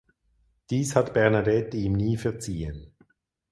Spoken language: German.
Dies hat Bernadette ihm nie verziehen.